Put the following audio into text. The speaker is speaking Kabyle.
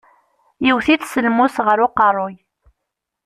Yewwet-it s lmus ɣer uqeṛṛuy.